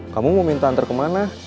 kamu mau minta antar kemana